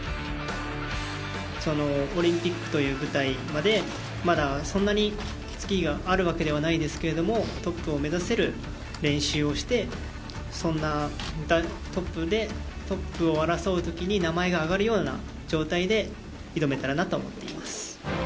オリンピックという舞台までまだそんなに月日があるわけではないですけれどもトップを目指せる練習をしてトップを争うときに名前が挙がるような状態で挑めたらなと思っています。